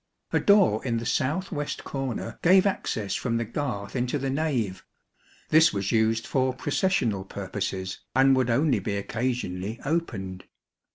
A door in the south west corner gave access from the garth into the nave; this was used for processional purposes, and would only be occasionally opened.